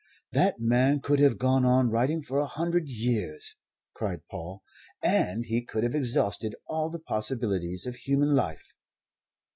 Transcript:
"That man could have gone on writing for a hundred years," cried Paul, "and he could have exhausted all the possibilities of human life."